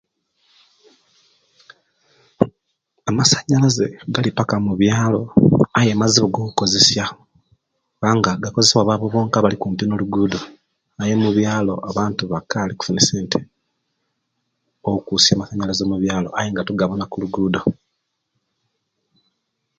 Amasanyalaze Gali paka mubyalo aye mazibu go kozesya nga gakozesebwa babo bonka abali kumpi nolugudo naye mubyalo abantu bakali okufuna esente okusisya amasanyalaze mubyalo aye nga tugabona okulugudo